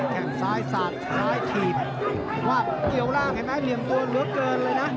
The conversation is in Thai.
แค่งซ้ายสาดซ้ายถีบว่าเกี่ยวร่างเห็นไหมเหลี่ยมตัวเหลือเกินเลยนะ